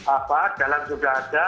apa jalan juga ada